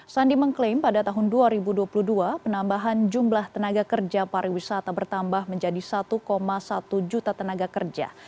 sandi mengklaim pada tahun dua ribu dua puluh dua penambahan jumlah tenaga kerja pariwisata bertambah menjadi satu satu juta tenaga kerja